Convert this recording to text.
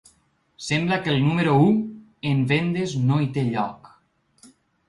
Sembla que el número u en vendes no hi té lloc.